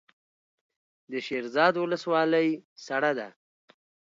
د شیرزاد ولسوالۍ سړه ده